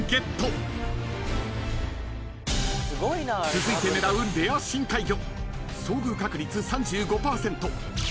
［続いて狙うレア深海魚］